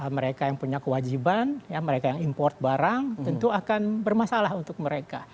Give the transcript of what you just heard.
mereka yang punya kewajiban mereka yang import barang tentu akan bermasalah untuk mereka